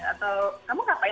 atau kamu ngapain